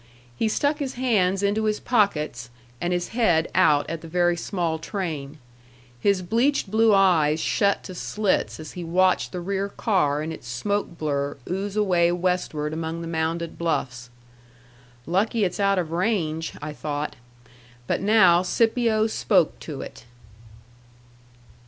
He stuck his hands into his pockets and his head out at the very small train. His bleached blue eyes shut to slits as he watched the rear car in its smoke blur ooze away westward among the mounded bluffs. "Lucky it's out of range," I thought. But now Scipio spoke to it.